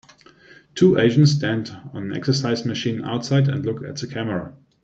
Two Asians stand on an exercise machine outside and look at the camera.